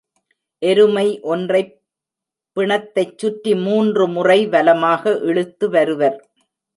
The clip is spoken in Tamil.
எருமை ஒன்றைப் பிணத்தைச்சுற்றி மூன்று முறை வலமாக இழுத்துவருவர்.